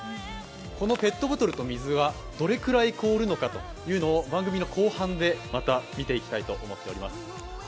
このペットボトルの水はどれくらい凍るのかというのを番組の後半でまた見ていきたいと思います。